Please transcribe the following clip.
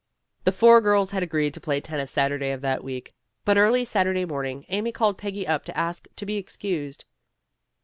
The four girls had agreed to play tennis Saturday of that week, but early Saturday morning Amy called Peggy up to ask to be ex cused.